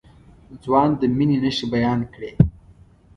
ځوان د مينې نښې بيان کړې.